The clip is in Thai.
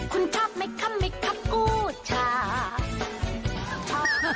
คุณชอบไหมครับไม่ชอบกูช้า